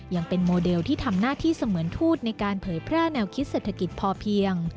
ยังเป็นโมเดลที่ทำหน้าที่เสมือนทูตในการเผยแพร่แนวคิดเศรษฐกิจพอเพียง